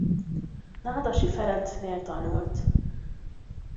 Nádasi Ferencnél tanult.